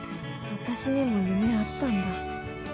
私にも夢あったんだ。